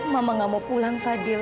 mama gak mau pulang fadil